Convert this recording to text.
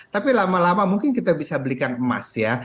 tapi lama lama mungkin kita bisa belikan emas ya